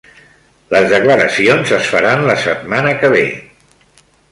Les declaracions es faran la setmana que ve